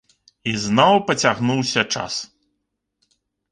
І зноў пацягнуўся час.